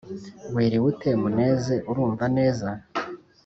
Wiriwe ute Muneze urumva neza ?